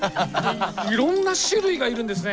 いろんな種類がいるんですね！